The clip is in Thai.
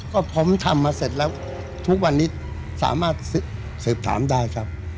ก็ผมทำมาเสร็จแล้วทุกวันนี้สามารถสืบถามได้ครับ